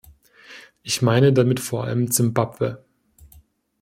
Ich meine damit vor allem Zimbabwe.